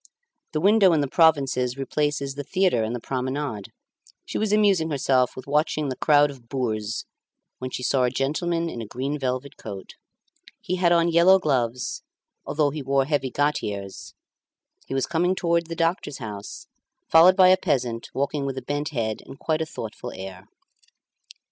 The window in the provinces replaces the theatre and the promenade, she was amusing herself with watching the crowd of boors when she saw a gentleman in a green velvet coat. He had on yellow gloves, although he wore heavy gaiters; he was coming towards the doctor's house, followed by a peasant walking with a bent head and quite a thoughtful air.